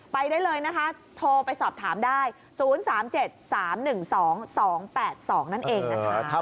ไปได้เลยนะคะโทรไปสอบถามได้๐๓๗๓๑๒๒๘๒นั่นเองนะคะ